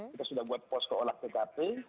kita sudah buat posko olah tkp